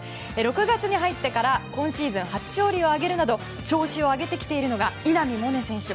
６月に入ってから今シーズン初勝利を挙げるなど調子を上げてきているのが稲見萌寧選手。